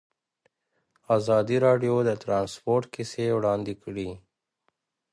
ازادي راډیو د ترانسپورټ کیسې وړاندې کړي.